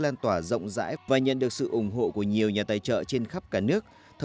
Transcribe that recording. làm rõ nguyên nhân vướng mắt một cách thâu đáo